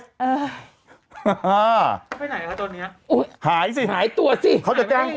อ่าเขาไปไหนคะตอนเนี้ยโอ้ยหายสิหายตัวสิเขาจะแจ้ง